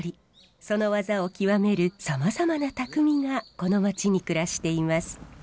その技を極めるさまざまな匠がこの町に暮らしています。